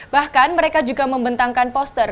bahkan mereka juga membentangkan poster